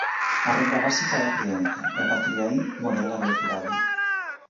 A regra básica é a prudencia e a partir de aí, moderar a velocidade.